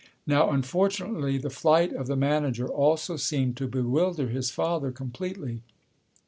Now, unfortunately this flight of the manager also seemed to bewilder his father completely.